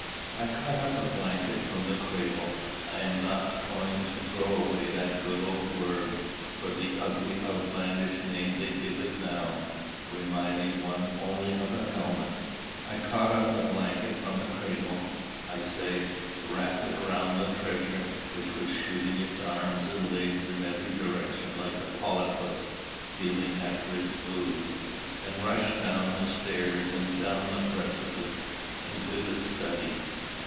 I caught up a blanket from the cradle, I am not going to throw away that good old word for the ugly outlandish name they give it now, reminding one only of a helmet, I caught up a blanket from the cradle, I say, wrapped it round the treasure, which was shooting its arms and legs in every direction like a polypus feeling after its food, and rushed down stairs, and down the precipice into the study.